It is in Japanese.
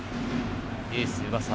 エース、上沢。